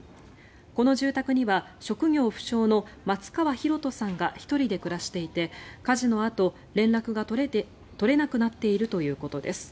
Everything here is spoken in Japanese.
この住宅には職業不詳の松川博人さんが１人で暮らしていて火事のあと連絡が取れなくなっているということです。